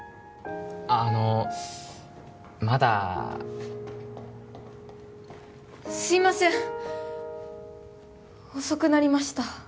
あのまだすいません遅くなりました